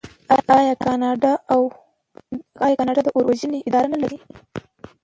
آیا کاناډا د اور وژنې اداره نلري؟